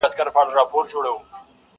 چوروندک ته هره ورځ راتلل عرضونه.!